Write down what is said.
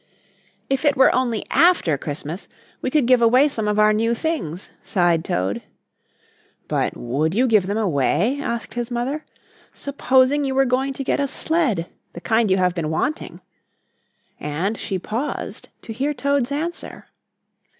"If it were only after Christmas we could give away some of our new things," sighed Toad. "But would you give them away?" asked his mother. "Supposing you were going to get a sled, the kind you have been wanting," and she paused to hear Toad's answer.